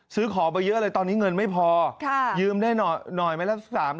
ซื้อของไปเยอะเลยตอนนี้เงินไม่พอยืมได้หน่อยไหมละ๓๐๐